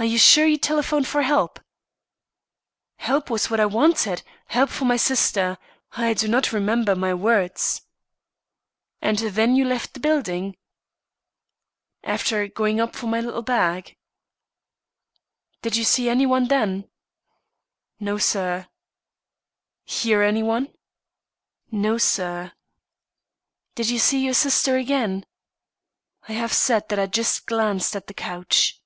"Are you sure you telephoned for help?" "Help was what I wanted help for my sister. I do not remember my words." "And then you left the building?" "After going for my little bag." "Did you see any one then?" "No, sir." "Hear any one?" "No, sir." "Did you see your sister again?" "I have said that I just glanced at the couch."